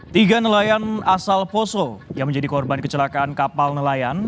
tiga nelayan asal poso yang menjadi korban kecelakaan kapal nelayan